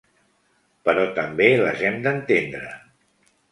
Però també les hem d’entendre.